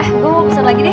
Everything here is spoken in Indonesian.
eh tapi gak jadi deh